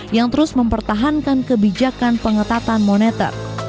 yang terus mempertahankan kebijakan pengetatan moneter